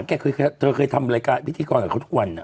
เธอเคยทำรายการพิธีกรกับเขาทุกวัน